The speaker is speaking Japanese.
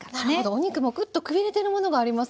お肉もぐっとくびれてるものがありますもんね。